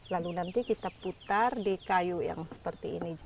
lalu nanti kita putar di kayu yang seperti ini